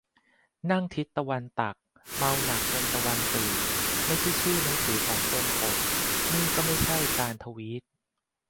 "นั่งทิศตะวันตัก เมาหนักจนตะวันตื่น" ไม่ใช่ชื่อหนังสือของทรงกลด นี่ก็ไม่ใช่การทวีต